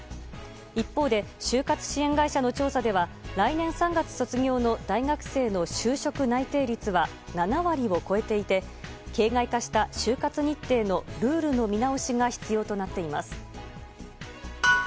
一方で就活支援会社の調査では来年３月卒業予定の大学生の就職内定率は７割を超えていて形骸化した就活日程のルールの見直しが必要になっています。